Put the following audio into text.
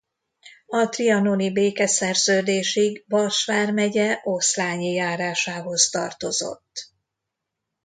A trianoni békeszerződésig Bars vármegye Oszlányi járásához tartozott.